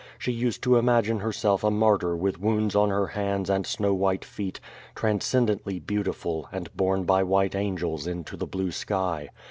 She used to imagine herself a martyr with woimds on her hands and snow white feet, transcendently beautiful, and borne by white angels into the blue sky.